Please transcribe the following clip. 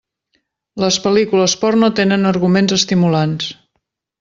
Les pel·lícules porno tenen arguments estimulants.